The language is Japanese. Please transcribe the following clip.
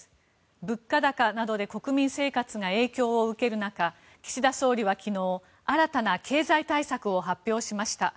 物価高などで国民生活が影響を受ける中岸田総理は昨日新たな経済対策を発表しました。